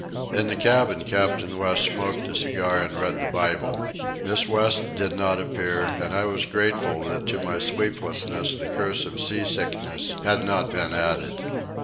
In the cabin Captain West smoked a cigar and read the Bible. Miss West did not appear, and I was grateful that to my sleeplessness the curse of sea sickness had not been added.